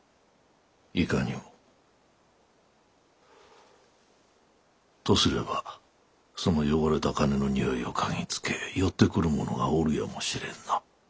いかにも。とすればその汚れた金の匂いを嗅ぎつけ寄ってくる者がおるやもしれぬな。